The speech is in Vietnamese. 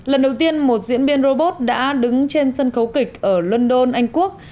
lần đầu tiên một diễn viên robot đã đứng trên sân khấu kịch ở london anh quốc